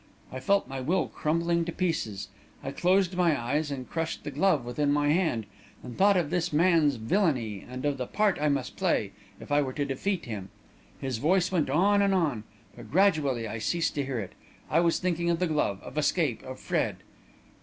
"I felt my will crumbling to pieces; I closed my eyes and crushed the glove within my hand, and thought of this man's villainy and of the part I must play, if I were to defeat him. His voice went on and on, but gradually I ceased to hear it I was thinking of the glove, of escape, of Fred...."